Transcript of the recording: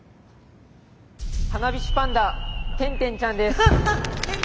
「花火師パンダ転転ちゃん」です。